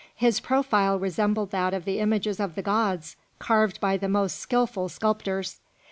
His profile resembled that of the images of the gods carved by the most skilful sculptors.